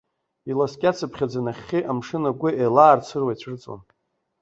Иласкьацыԥхьаӡа нахьхьи амшын агәы еилаарцыруа ицәырҵуан.